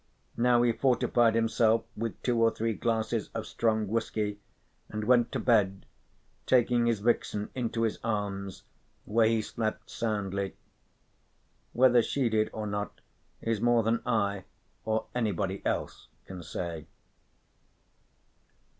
Now he fortified himself with two or three glasses of strong whisky and went to bed, taking his vixen into his arms, where he slept soundly. Whether she did or not is more than I or anybody else can say.